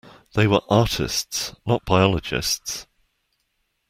They were artists, not biologists.